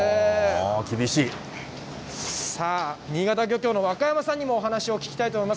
さあ、新潟漁協の若山さんにもお話を聞きたいと思います。